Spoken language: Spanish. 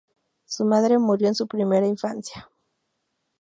Su madre murió en su primera infancia.